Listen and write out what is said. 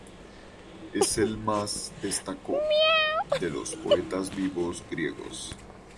Es el más destacó de los poetas vivos griegos".